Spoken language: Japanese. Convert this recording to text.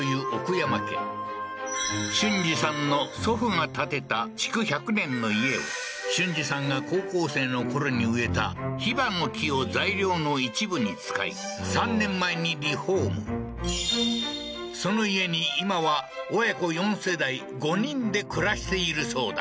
山家俊二さんの祖父が建てた築百年の家を俊二さんが高校生のころに植えたヒバの木を材料の一部に使い３年前にリフォームその家に今は親子４世代５人で暮らしているそうだ